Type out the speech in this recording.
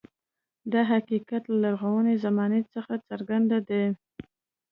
دا حقیقت له لرغونې زمانې څخه څرګند دی.